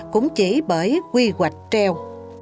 cũng chỉ bởi quy hoạch treo